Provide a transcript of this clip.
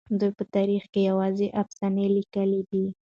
دوی په تاريخ کې يوازې افسانې ليکلي دي.